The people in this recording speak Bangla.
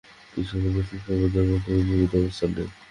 তিনি সাধারণ মুসলিম সম্প্রদায়ের মতবাদের বিপরীতে অবস্থান নেন।